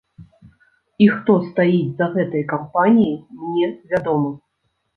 І хто стаіць за гэтай кампаніяй, мне вядома.